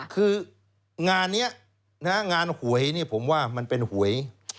คืองานนี้งานหวยผมว่ามันเป็นหวย